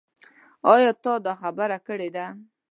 ايا تا دا خبره کړې ده ؟